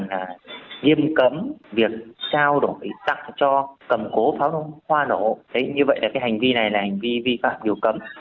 ghiêm cấm việc trao đổi tặng cho cầm cố pháo hoa nổ như vậy là hành vi này là hành vi vi phạm điều cấm